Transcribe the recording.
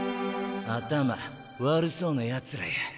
頭悪そうなやつらや。